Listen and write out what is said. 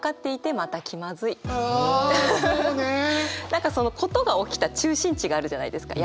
何かその事が起きた中心地があるじゃないですか。